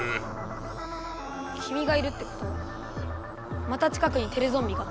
きみがいるってことはまた近くにテレゾンビが？